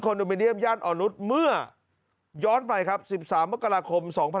คอนโดมิเนียมย่านออนุสเมื่อย้อนไปครับสิบสามเมื่อกราคมสองพัน